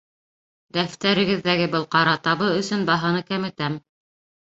Дәфтәрегеҙҙәге был ҡара табы өсөн баһаны кәметәм